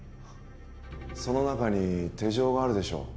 その中に手錠があるでしょう